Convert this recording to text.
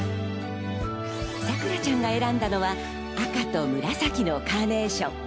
紗来良ちゃんが選んだのは赤と紫のカーネーション。